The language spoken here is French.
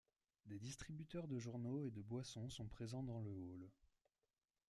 Des distributeurs de journaux et de boissons sont présents dans le hall.